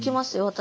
私。